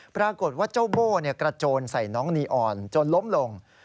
ปรากฏว่าเจ้าโบ้กระโจนใส่น้องนีออนจนล้มลง